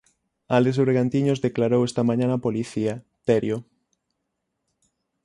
Álex Bergantiños declarou esta mañá na policía, Terio.